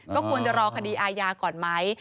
ก็ควรจะรอคดีอาญาก่อนไหม